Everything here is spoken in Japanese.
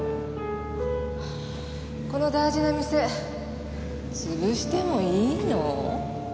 この大事な店潰してもいいの？